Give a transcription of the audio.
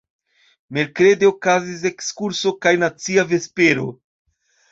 Merkrede okazis ekskursoj kaj nacia vespero.